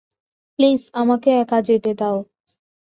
Please আমাকে একা যেতে দাও!